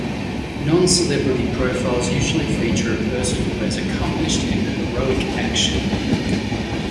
Non-celebrity profiles usually feature a person who has accomplished an heroic action.